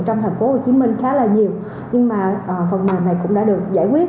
trong tp hcm khá là nhiều nhưng mà phần mềm này cũng đã được giải quyết